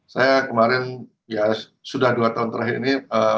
saya kemarin ya sudah dua tahun terakhir ini